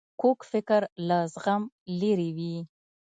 کوږ فکر له زغم لیرې وي